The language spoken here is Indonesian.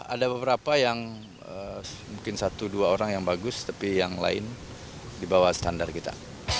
ada beberapa yang mungkin satu dua orang yang bagus tapi yang lain di bawah standar kita